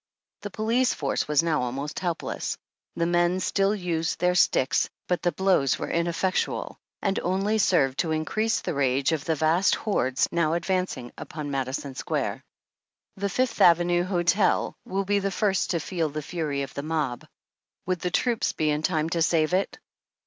The police force was now almost helpless. The men still used their sticks, but the blows were inef fectual, and only served to increase the rage of the vast hordes now advancing upon Madison Square. 5 The Fifth Avenue Hotel will be the first to feel the fury of the mob. Would the troops be in time to save it?